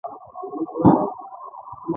نهه دېرشم سوال د پلانګذارۍ هدف څه دی.